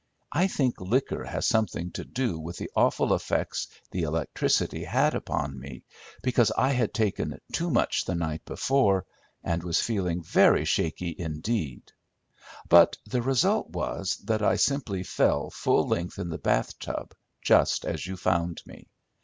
I think liquor has something to do with the awful effect the electricity had upon me, because I had taken too much the night before, and was feeling very shaky indeed; but the result was that I simply fell full length in the bath tub just as you found me.